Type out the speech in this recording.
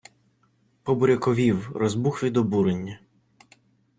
Побуряковів, розбух від обурення.